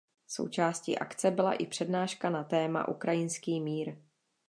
Součástí akce byla i přednáška na téma „Ukrajinský mír“.